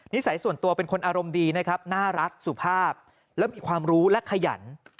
สัยส่วนตัวเป็นคนอารมณ์ดีนะครับน่ารักสุภาพและมีความรู้และขยัน